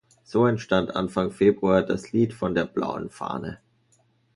So entstand Anfang Februar das "Lied von der blauen Fahne".